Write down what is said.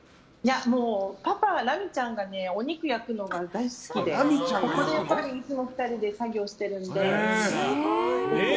パパ、ラミちゃんがお肉焼くのが大好きでここでいつも２人で作業しているので。